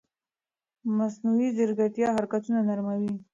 مصنوعي ځیرکتیا حرکتونه نرموي.